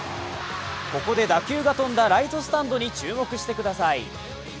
ここで打球が飛んだ、ライトスタンドに注目してください。